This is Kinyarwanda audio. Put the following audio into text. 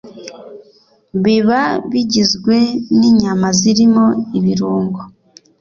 biba bigizwe ninyama zirimo ibirungo